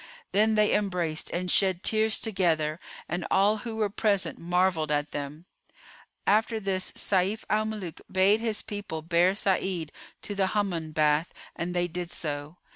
Then they embraced and shed tears together and all who were present marvelled at them. After this Sayf al Muluk bade his people bear Sa'id to the Hammam bath: and they did so.